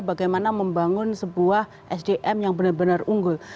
bagaimana membangun sebuah sdm yang benar benar unggul